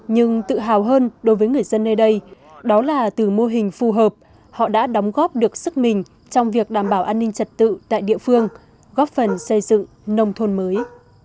nhưng tự hào hơn đối với người dân nơi đây đó là từ mô hình phù hợp họ đã đóng góp được sức mình trong việc đảm bảo an ninh trật tự tại địa phương góp phần xây dựng nông thôn mới